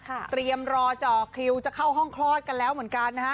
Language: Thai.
เตรียมรอจ่อคิวจะเข้าห้องคลอดกันแล้วเหมือนกันนะฮะ